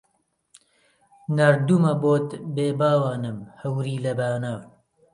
ناردوومە بۆت بێ باوانم هەوری لە بانە